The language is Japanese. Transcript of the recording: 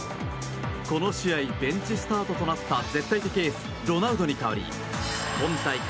この試合ベンチスタートとなった絶対的エース、ロナウドに代わり今大会